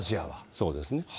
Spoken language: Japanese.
そうですね。